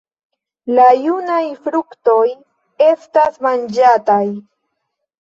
La junaj fruktoj estas manĝataj.